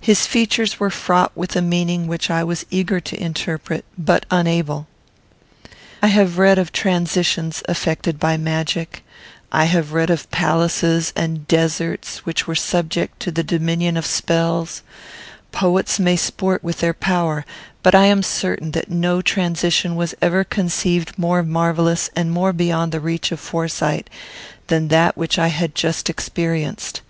His features were fraught with a meaning which I was eager to interpret, but unable. I have read of transitions effected by magic; I have read of palaces and deserts which were subject to the dominion of spells; poets may sport with their power, but I am certain that no transition was ever conceived more marvellous and more beyond the reach of foresight than that which I had just experienced.